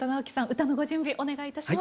歌のご準備お願いいたします。